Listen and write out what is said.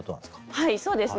はいそうですね。